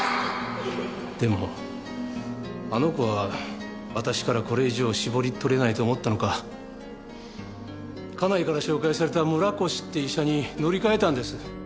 でもあの子は私からこれ以上しぼり取れないと思ったのか家内から紹介された村越って医者に乗り換えたんです。